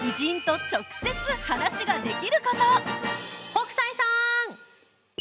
北斎さん！